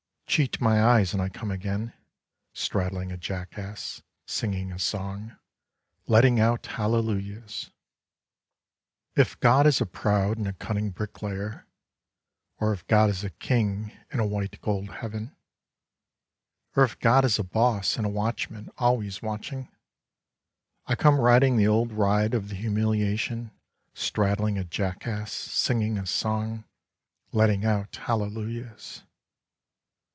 " Cheat my eyes — and I come again — straddling a jackass — singing a song — letting out hallelujahs. " If God is a proud and a cunning Bricklayer, Or if God is a King in a white gold Heaven, Or if God is a Boss and a Watchman always watching, I come riding the old ride of the humiliation, Straddling a jackass, singing a song, Letting out hallelujahs.